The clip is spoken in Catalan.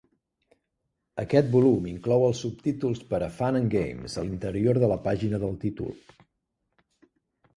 Aquest volum inclou els subtítols per a "Fun and Games" a l'interior de la pàgina del títol.